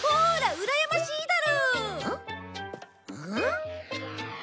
うらやましいだろ！